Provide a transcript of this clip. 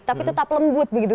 tapi tetap lembut begitu